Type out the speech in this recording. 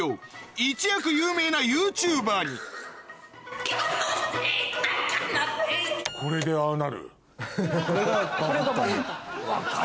一躍有名なＹｏｕＴｕｂｅｒにこれでああなる？